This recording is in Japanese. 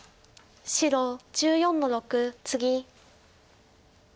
白１４の六ツギ。